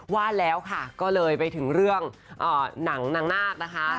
ว่าแล้วค่ะก็เลยไปถึงเรื่องหนังนางนาคนะคะ